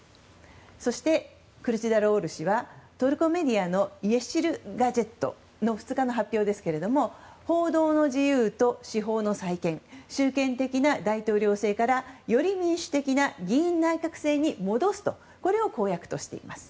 そして、クルチダルオール氏はトルコメディアのイェシルガジェットの２日の発表ですけど報道の自由と司法の再建集権的な大統領制からより民主的な議院内閣制に戻すことを公約にしています。